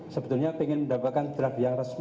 sebetulnya ingin mendapatkan draft yang resmi